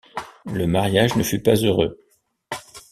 Le mariage ne fut pas heureux.